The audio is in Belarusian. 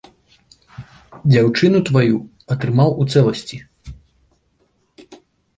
Дзяўчыну тваю атрымаў у цэласці.